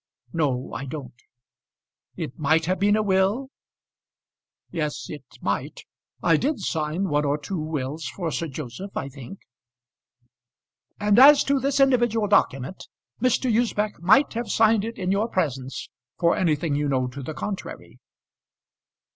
"No, I don't." "It might have been a will?" "Yes, it might. I did sign one or two wills for Sir Joseph, I think." "And as to this individual document, Mr. Usbech might have signed it in your presence, for anything you know to the contrary?"